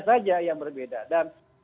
saja yang berbeda dan